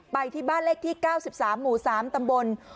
ไปที่บ้านเลขที่๙๓หมู่๓ตำบล